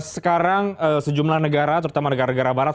sekarang sejumlah negara terutama negara negara barat